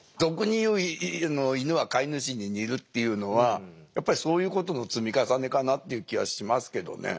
俗に言うイヌは飼い主に似るっていうのはやっぱりそういうことの積み重ねかなという気はしますけどね。